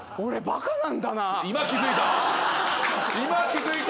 今気付いた！？